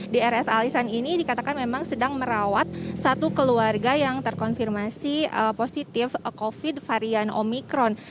di rs alisan ini dikatakan memang sedang merawat satu keluarga yang terkonfirmasi positif covid varian omikron